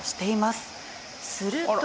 「すると」